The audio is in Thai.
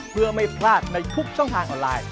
เพื่อไม่พลาดในทุกช่องทางออนไลน์